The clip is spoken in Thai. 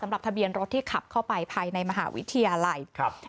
สำหรับทะเบียนรถที่ขับเข้าไปภายในมหาวิทยาลัย